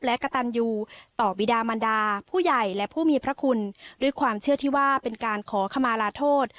และกระตันยูต่อวิดามันดาผู้ใหญ่และผู้มีพระคุณด้วยความเชื่อที่ว่าเป็นการขอขมาลาโทษ